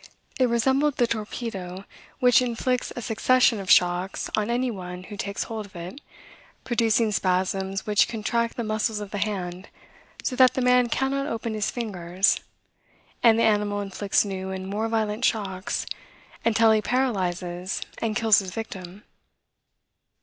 It resembled the torpedo, which inflicts a succession of shocks on any one who takes hold of it, producing spasms which contract the muscles of the hand, so that the man cannot open his fingers; and the animal inflicts new and more violent shocks, until he paralyzes and kills his victim.